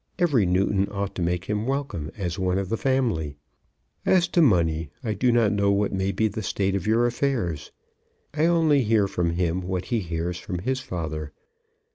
Every Newton ought to make him welcome as one of the family. As to money, I do not know what may be the state of your affairs. I only hear from him what he hears from his father.